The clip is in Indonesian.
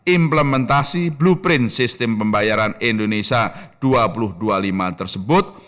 implementasi blueprint sistem pembayaran indonesia dua ribu dua puluh lima tersebut